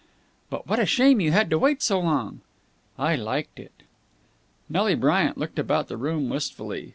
"But what a shame you had to wait so long." "I liked it." Nelly Bryant looked about the room wistfully.